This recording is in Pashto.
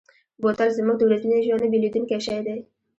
بوتل زموږ د ورځني ژوند نه بېلېدونکی شی دی.